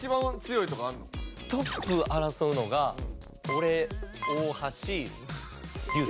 トップ争うのが俺大橋流星。